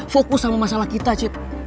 fokus sama masalah kita cip